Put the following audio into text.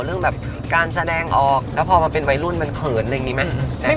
เรื่องแบบการแสดงออกแล้วพอมันเป็นวัยรุ่นมันเขินอะไรอย่างนี้ไหม